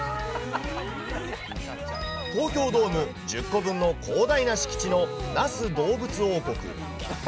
東京ドーム１０個分の広大な敷地の那須どうぶつ王国。